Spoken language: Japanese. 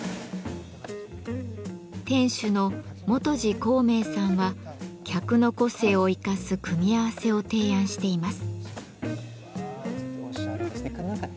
店主の泉二弘明さんは客の個性を生かす組み合わせを提案しています。